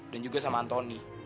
dan juga sama antoni